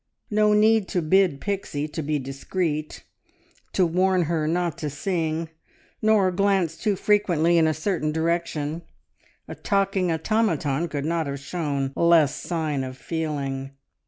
No need to bid Pixie to be discreet, to warn her not to sing, nor glance too frequently in a certain direction a talking automaton could not have shown less sign of feeling.